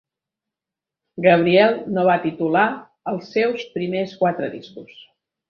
Gabriel no va titular els seus primers quatre discos.